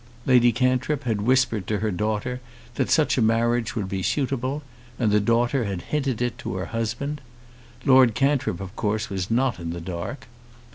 Lady Cantrip had whispered to her daughter that such a marriage would be suitable, and the daughter had hinted it to her husband. Lord Cantrip of course was not in the dark.